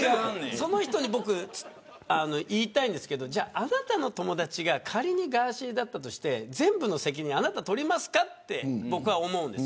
その人に言いたいんですけどあなたの友達が仮にガーシーだったとして全部の責任を取りますかと思うんです。